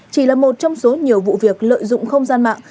chỉ là một trong số nhiều vụ việc lợi dụng không gian mạng